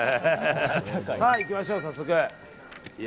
さあ、行きましょう、早速。